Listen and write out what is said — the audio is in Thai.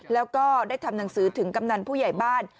แล้วก็ได้ทำหนังสือถึงกำนันผู้ใหญ่บ้าน